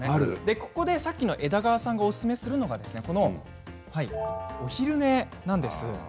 ここで先ほどの枝川さんがおすすめするのがお昼寝なんです。